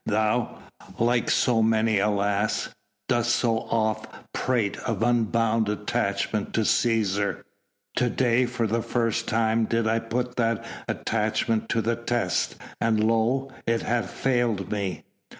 Thou like so many alas! dost so oft prate of unbounded attachment to Cæsar. To day, for the first time, did I put that attachment to the test, and lo! it hath failed me."